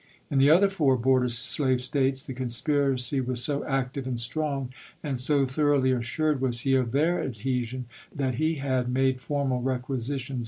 In the other four border slave States, the conspiracy was so active and strong, and so thoroughly assured was he of their CIVIL WAE 263 adhesion, that he had made formal requisitions chap.